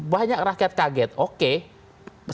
banyak rakyat kaget oke